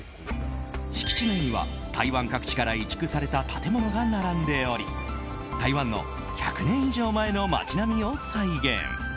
敷地内には台湾各地から移築された建物が並んでおり台湾の１００年以上の街並みを再現。